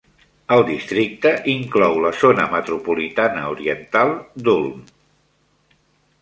El districte inclou la zona metropolitana oriental d'Ulm.